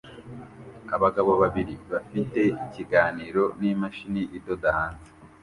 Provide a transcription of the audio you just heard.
Abagabo babiri bafite ikiganiro n'imashini idoda hanze